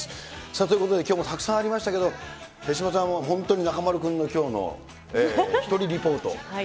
さあ、ということできょうもたくさんありましたけど、手嶋さん、本当に中丸君のきょうの１人リポート。